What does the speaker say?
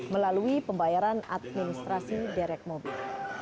melalui pembayaran administrasi derek mobil